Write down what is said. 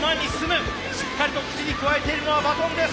しっかりと口にくわえているのはバトンです。